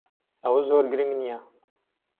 ئەوە زۆر گرنگ نییە.